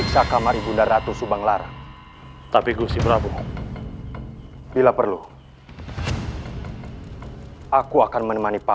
sampai jumpa di video selanjutnya